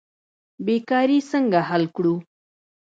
بیکاري څنګه حل کړو؟